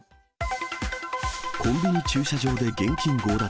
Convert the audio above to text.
コンビニ駐車場で現金強奪。